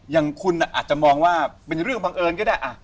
อย่างคุณอาจจะมองว่าเป็นเรื่องบังเอิญก็ได้